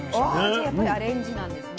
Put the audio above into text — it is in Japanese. じゃあやっぱりアレンジなんですね。